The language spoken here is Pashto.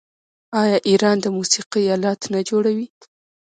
آیا ایران د موسیقۍ الات نه جوړوي؟